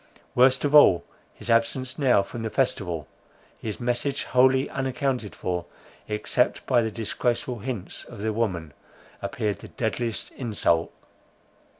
Worst of all, his absence now from the festival, his message wholly unaccounted for, except by the disgraceful hints of the woman, appeared the deadliest insult.